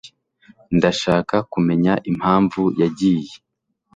Ndashaka kumenya impamvu yagiye.